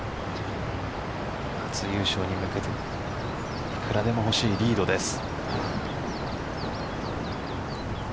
初優勝に向けていくらでも欲しいリードです。